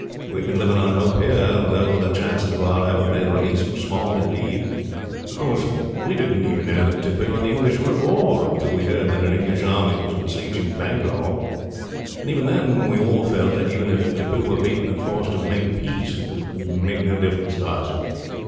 We have been living on hope here, though the chances of our ever being released were small, indeed. Of course, we did not even know that Tippoo and the English were at war, until we heard that an English army was besieging Bangalore; and even then we all felt that, even if Tippoo were beaten and forced to make peace, it would make no difference to us.